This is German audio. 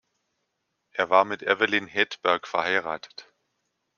Er war mit Evelyn Hedberg verheiratet.